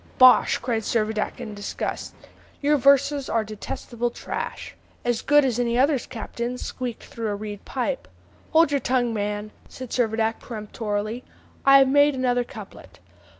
'" "Bosh!" cried Servadac in disgust; "your verses are detestable trash." "As good as any others, captain, squeaked through a reed pipe." "Hold your tongue, man," said Servadac peremptorily; "I have made another couplet.